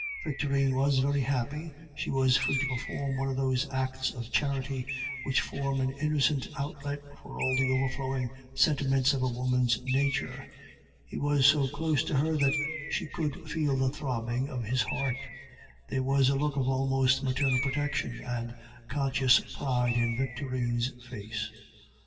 Victorine was very happy; she was free to perform one of those acts of charity which form an innocent outlet for all the overflowing sentiments of a woman's nature; he was so close to her that she could feel the throbbing of his heart; there was a look of almost maternal protection and conscious pride in Victorine's face.